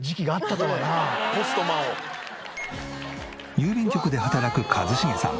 郵便局で働く一茂さん。